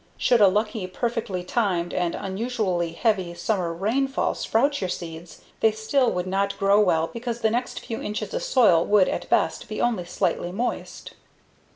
Should a lucky, perfectly timed, and unusually heavy summer rainfall sprout your seeds, they still would not grow well because the next few inches of soil would at best be only slightly moist.